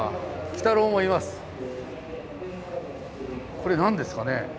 これ何ですかね？